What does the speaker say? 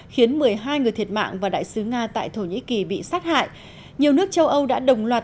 khiến một mươi hai người thiệt mạng và đại sứ nga tại thổ nhĩ kỳ bị sát hại nhiều nước châu âu đã đồng loạt